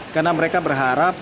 karena mereka berharap